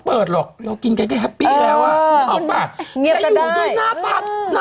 เราก็ไม่เหมือนกัน